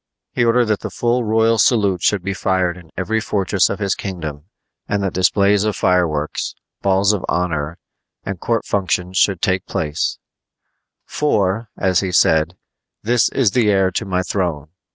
He ordered that the full royal salute should be fired in every fortress of his kingdom and that displays of fireworks, balls of honor, and court functions should take place; "for," as he said, "this is the heir to my throne."